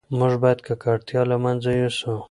موږ باید ککړتیا له منځه یوسو.